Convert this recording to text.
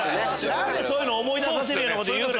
何でそういうの思い出させるようなこと言うの？